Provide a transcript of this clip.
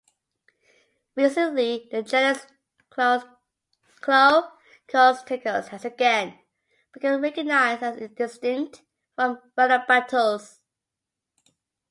Recently, the genus "Glaucostegus" has again become recognized as distinct from "Rhinobatos".